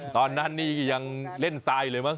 ตอนนั้นนี่ยังเล่นไซเรียะบ้าง